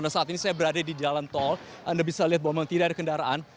nah saat ini saya berada di jalan tol anda bisa lihat bahwa memang tidak ada kendaraan